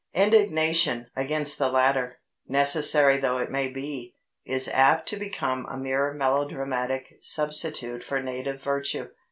Indignation against the latter, necessary though it may be, is apt to become a mere melodramatic substitute for native virtue.